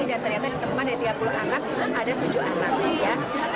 dan ternyata ketemu ada tiga puluh anak ada tujuh anak